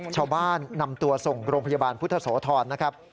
ชาวบ้านนำตัวส่งโรงพยาบาลพุทธโสธรนะครับ